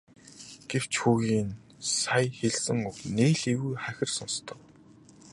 Гэвч хүүгийн нь сая хэлсэн үг нэг л эвгүй хахир сонстов.